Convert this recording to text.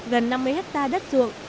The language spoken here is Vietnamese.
gần năm mươi hectare đất ruộng